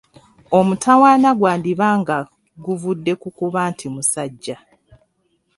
Omutawaana gwandiba nga guvudde ku kuba nti musajja.